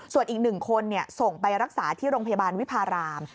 ส่วนอีก๑คนส่งไปรักษาที่โรงพยาบาลวิพาราม